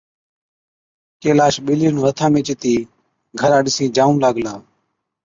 ڪيلاش ٻلِي نُون هٿا ۾ چتِي گھرا ڏِسِين جائُون لاگلا،